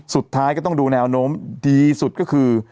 สุดท้ายก็ต้องดูแนวโน้มดีสุดก็คือ